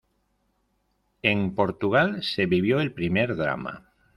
En Portugal se vivió el primer drama.